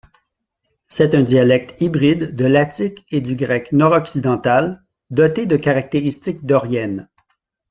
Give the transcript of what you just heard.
C'est un dialecte hybride de l'attique et du grec nord-occidental, doté de caractéristiques doriennes.